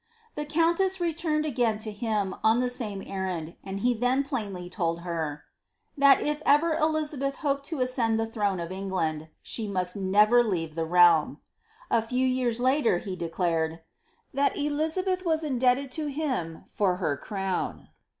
^ The countess returned again to him on the same errand, and he then plainly told her, ^ that if ever Eliiabeth hoped to ascend the throne of England, she must never leave the realm." A few years later he declared ^ that Elizabeth was indebted to him for her crown.''